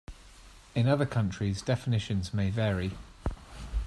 In other countries definitions may vary.